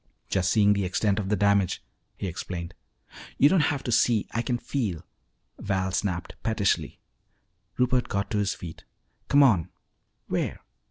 "Just seeing the extent of the damage," he explained. "You don't have to see, I can feel!" Val snapped pettishly. Rupert got to his feet. "Come on." "Where?"